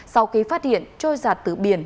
sau khi phát hiện trôi giảt từ biển